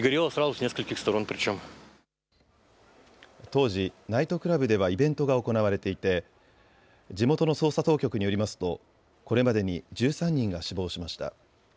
当時、ナイトクラブではイベントが行われていて地元の捜査当局によりますとこれまでに１３人が死亡しました。